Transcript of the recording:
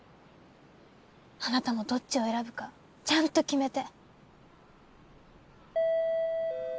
あなたもどっちを選ぶかちゃんと決めて。